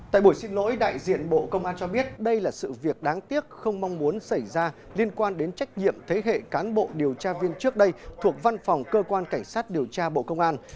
tại buổi xin lỗi đại diện bộ công an cho biết đây là sự việc đáng tiếc không mong muốn xảy ra liên quan đến trách nhiệm thế hệ cán bộ điều tra viên trước đây thuộc văn phòng cơ quan cảnh sát điều tra bộ công an